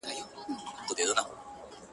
کوټي ته درځمه گراني.